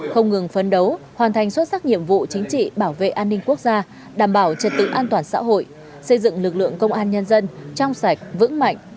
không ngừng phấn đấu hoàn thành xuất sắc nhiệm vụ chính trị bảo vệ an ninh quốc gia đảm bảo trật tự an toàn xã hội xây dựng lực lượng công an nhân dân trong sạch vững mạnh